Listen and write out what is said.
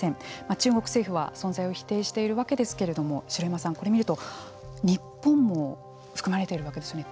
中国政府は存在を否定しているわけですけれども城山さん、これを見ると日本も含まれているわけですよね。